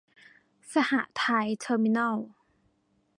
สหไทย เทอร์มินอล